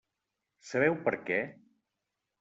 Sabeu per què?